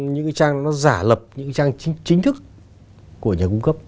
những cái trang nó giả lập những trang chính thức của nhà cung cấp